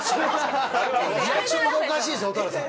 リアクションがおかしいです蛍原さん。